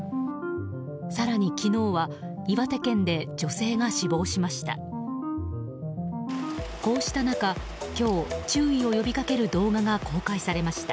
更に昨日は、岩手県で女性が死亡しました。